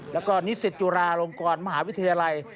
แล้วก็นิสิตจุฬาลงกรมหาวิทยาลัย